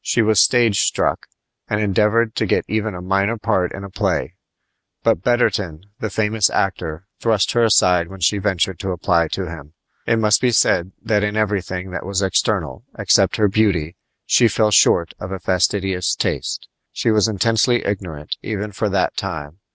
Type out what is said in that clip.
She was stage struck, and endeavored to get even a minor part in a play; but Betterton, the famous actor, thrust her aside when she ventured to apply to him. It must be said that in everything that was external, except her beauty, she fell short of a fastidious taste. She was intensely ignorant even for that time.